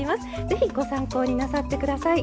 ぜひご参考になさって下さい。